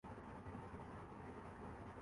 corona کے باعث کروڑ مزدوروں کی جگہ روبوٹ لے لیں گے